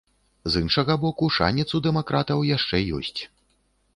З іншага боку, шанец у дэмакратаў яшчэ ёсць.